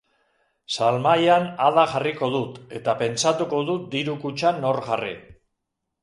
Salmahaian Ada jarriko dut, eta pentsatuko dut diru-kutxan nor jarri.